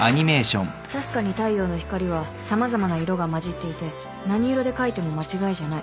確かに太陽の光は様々な色が混じっていて何色で描いても間違いじゃない。